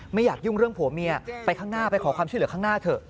ไม่อยากยุ่งเรื่องผัวเมียไปข้างหน้าไปขอความช่วยเหลือข้างหน้าเถอะ